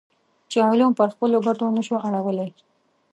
چې علوم پر خپلو ګټو نه شو اړولی.